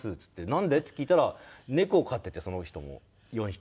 「なんで？」って聞いたら猫を飼っててその人も４匹。